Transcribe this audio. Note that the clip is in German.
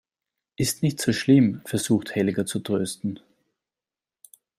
Ist nicht so schlimm, versucht Helga zu trösten.